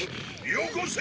よこせ！